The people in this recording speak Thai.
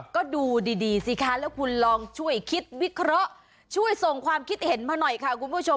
ก็ดูดีสิคะแล้วคุณลองช่วยคิดวิเคราะห์ช่วยส่งความคิดเห็นมาหน่อยค่ะคุณผู้ชม